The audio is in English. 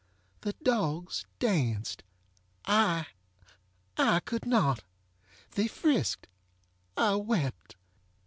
The dogs danced! IŌĆöI could not! They friskedŌĆöI wept.